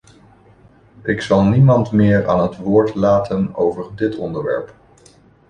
Ik zal niemand meer aan het woord laten over dit onderwerp.